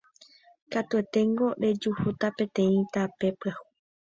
Katueténgo rejuhúta peteĩ tape pyahu